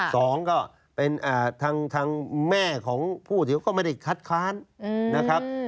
สองก็เป็นทางแม่ของผู้ที่เขาไม่ได้คัดค้านนะครับ